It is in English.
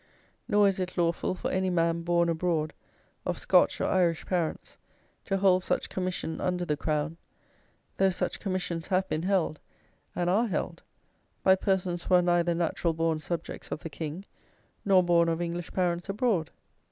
Nor is it lawful for any man born abroad of Scotch or Irish parents, to hold such commission under the crown, though such commissions have been held, and are held, by persons who are neither natural born subjects of the king, nor born of English parents abroad.